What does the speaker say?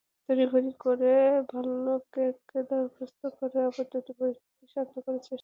তড়িঘড়ি করে ভালকেকে বরখাস্ত করে আপাতত পরিস্থিতি শান্ত করার চেষ্টা চালাচ্ছে তারা।